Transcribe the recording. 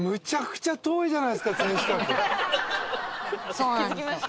そうなんですよ。